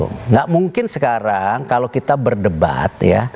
tidak mungkin sekarang kalau kita berdebat ya